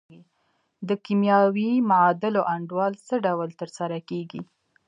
د کیمیاوي معادلو انډول څه ډول تر سره کیږي؟